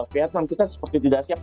vietnam kita seperti tidak siap